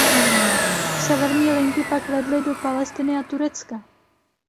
Severní linky pak vedly do Palestiny a Turecka.